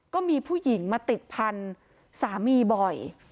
ก็มีผู้หญิงมาติดพันธุ์สามีบ่อย